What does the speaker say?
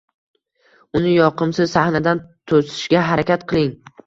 uni yoqimsiz sahnadan to‘sishga harakat qiling.